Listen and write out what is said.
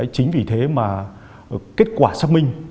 chính vì thế mà kết quả xác minh